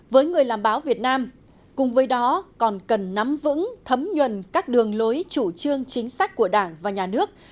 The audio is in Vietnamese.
với người làm báo việt nam cùng với đó còn cần nắm vững thấm nhuần các đường lối chủ trương chính sách của đảng và nhà nước